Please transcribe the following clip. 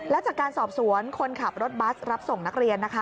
และจากการสอบสวนคนขับรถบัสรับส่งนักเรียนนะคะ